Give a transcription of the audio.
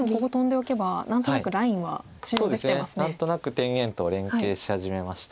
何となく天元と連係し始めました。